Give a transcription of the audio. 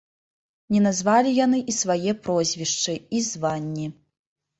Не назвалі яны і свае прозвішчы і званні.